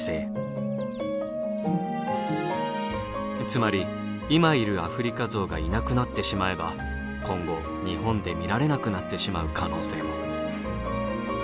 つまり今いるアフリカゾウがいなくなってしまえば今後日本で見られなくなってしまう可能性も。